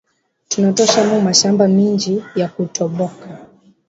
Tuna tosha mu mashamba minji ya ku toboka